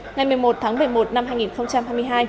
ngày một mươi một tháng một mươi một năm hai nghìn hai mươi hai